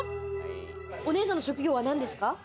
お姉さんの職業は何ですか？